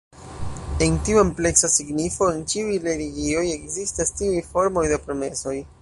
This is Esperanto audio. En tiu ampleksa signifo, en ĉiuj religioj, ekzistas tiuj formoj de promesoj.